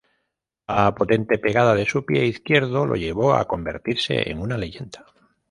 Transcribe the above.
La potente pegada de su pie izquierdo lo llevó a convertirse en una leyenda.